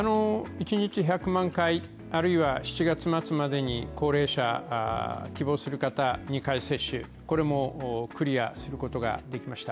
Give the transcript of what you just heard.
一日１００万回、あるいは７月末までに高齢者、希望する方２回接種これもクリアすることができました。